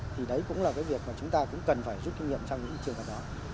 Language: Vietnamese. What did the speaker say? thì đấy cũng là cái việc mà chúng ta cũng cần phải rút kinh nghiệm trong những trường hợp đó